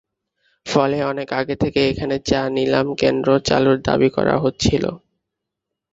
ফলে অনেক আগে থেকেই এখানে চা নিলাম কেন্দ্র চালুর দাবি করা হচ্ছিল।